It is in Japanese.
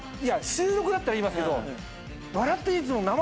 収録だったら言いますけど『笑っていいとも！』